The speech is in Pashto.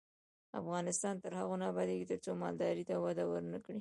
افغانستان تر هغو نه ابادیږي، ترڅو مالدارۍ ته وده ورنکړل شي.